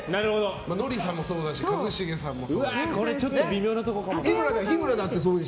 ノリさんもそうだし一茂さんもそうだし。